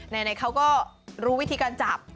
ไหนเขาก็รู้วิธีการจับ